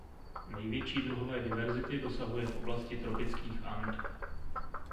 Největší druhové diverzity dosahuje v oblasti tropických And.